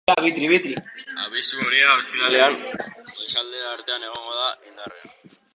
Abisu horia ostiral goizaldera arte egongo da indarrean.